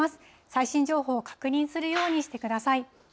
最新情報を確認するようにしてください。